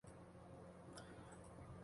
我妈带我去看医生